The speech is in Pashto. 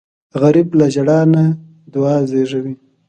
غریب له ژړا نه دعا زېږوي